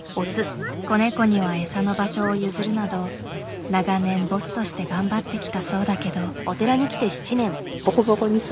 子ネコにはエサの場所を譲るなど長年ボスとして頑張ってきたそうだけど。